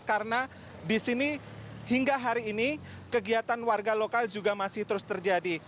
karena di sini hingga hari ini kegiatan warga lokal juga masih terus terjadi